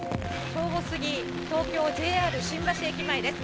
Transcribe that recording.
正午過ぎ、東京・ＪＲ新橋駅前です。